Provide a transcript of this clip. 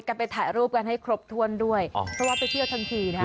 กันไปถ่ายรูปกันให้ครบถ้วนด้วยอ๋อเพราะว่าไปเที่ยวทันทีนะฮะ